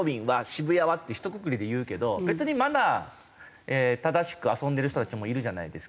「渋谷は」ってひとくくりで言うけど別にまだ正しく遊んでる人たちもいるじゃないですか。